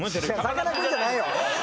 さかなクンじゃないよ！